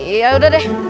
iya udah deh